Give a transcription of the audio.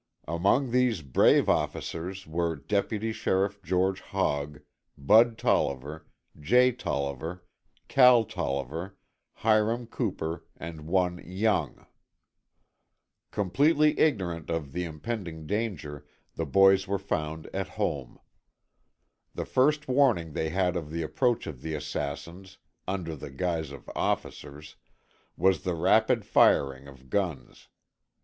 Among these brave officers were Deputy Sheriff George Hogg, Bud Tolliver, Jay Tolliver, Cal Tolliver, Hiram Cooper and one Young. Completely ignorant of the impending danger, the boys were found at home. The first warning they had of the approach of the assassins, under the guise of officers, was the rapid firing of guns.